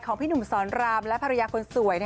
พี่หนุ่มสอนรามและภรรยาคนสวย